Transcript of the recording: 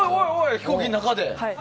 飛行機の中で？